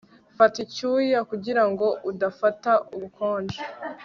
Fata icyuya kugirango udafata ubukonje